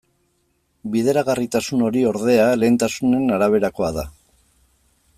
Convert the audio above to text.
Bideragarritasun hori, ordea, lehentasunen araberakoa da.